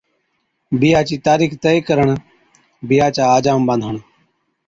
بِيھا چِي تارِيخ طئي ڪرڻ (بِيھا چا آجام ٻانڌڻ)